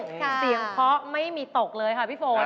เสียงเพราะไม่มีตกเลยค่ะพี่ฝน